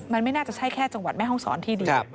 มันไม่น่าจะใช่แค่จังหวัดแม่ห้องศรที่เดียว